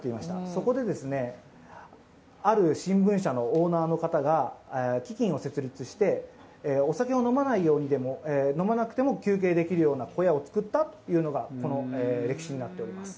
そこである新聞社のオーナーの方が基金を設立してお酒を飲まなくても休憩できるような小屋を作ったというのが、この歴史になっております。